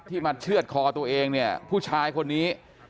มาเชื่อดคอตัวเองเนี่ยผู้ชายคนนี้